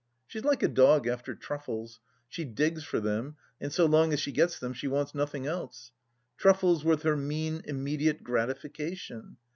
She's like a dog after truffles ; she digs for them, and so long as she gets them she wants nothing else. Truffles with her mean immediate gratification.